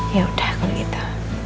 ya udah kalau gitu